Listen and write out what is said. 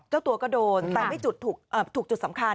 ก็ตัวกระโดนแต่ไม่จุดถูกถูกจุดสำคัญ